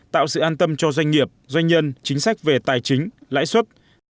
tạo sự an tâm cho doanh nghiệp doanh nhân chính sách về tài chính lãi suất